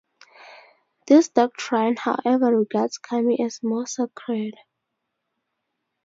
This doctrine, however, regards Kami as more sacred.